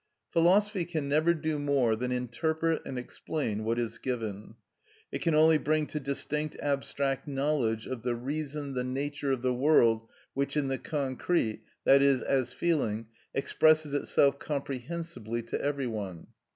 Philosophy can never do more than interpret and explain what is given. It can only bring to distinct abstract knowledge of the reason the nature of the world which in the concrete, that is, as feeling, expresses itself comprehensibly to every one.